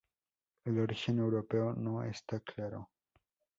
El origen europeo no está claro.